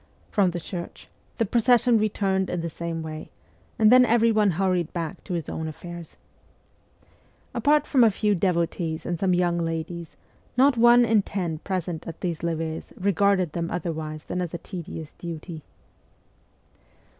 From the church the procession returned in the same way, and then everyone hurried back to his own affairs. Apart from a few devotees and some young ladies, not one in ten present at these levees regarded them otherwise than as a tedious duty.